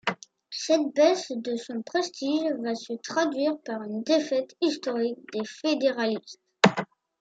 Cette baisse de son prestige va se traduire par une défaite historique des fédéralistes.